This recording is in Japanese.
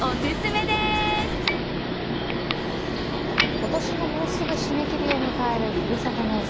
今年ももうすぐ締め切りを迎えるふるさと納税。